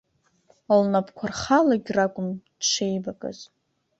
Лнапқәа рхалагь ракәым, дшеибакыз.